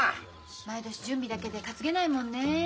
毎年準備だけで担げないもんね。